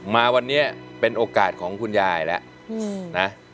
มาวันนี้เป็นโอกาสของคุณยายแล้วนะ